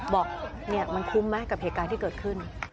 บอกเนี่ยมันคุ้มไหมกับเหตุการณ์ที่เกิดขึ้น